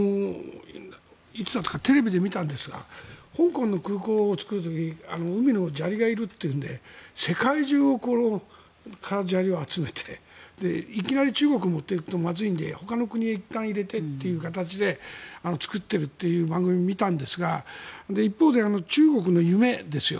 いつだったかテレビで見たんですが香港の空港を作る時に海の砂利がいるというので世界中から砂利を集めていきなり中国へ持っていくとまずいのでほかの国へいったん入れてっていう形で作っているという番組を見たんですが一方で、中国の夢ですよ。